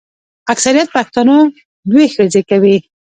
اکثریت پښتانه دوې ښځي کوي.